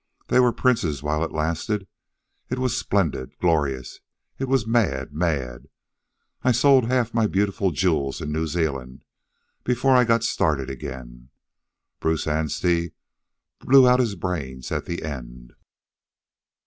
They were princes while it lasted. It was splendid, glorious. It was mad, mad. I sold half my beautiful jewels in New Zealand before I got started again. Bruce Anstey blew out his brains at the end.